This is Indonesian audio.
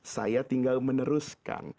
saya tinggal meneruskan